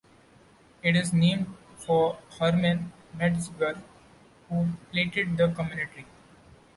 It is named for Herman Metzger, who platted the community.